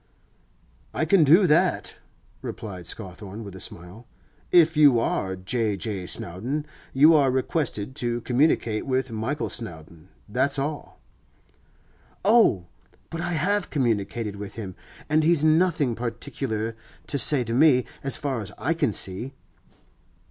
'I can do that,' replied Scawthorne with a smile. 'If you are J. J. Snowdon, you are requested to communicate with Michael Snowdon—that's all.' 'Oh! but I have communicated with him, and he's nothing particular to say to me, as far as I can see.